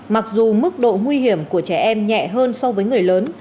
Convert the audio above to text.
mặc dù mức độ nguy hiểm của trẻ em nhẹ hơn so với người lớn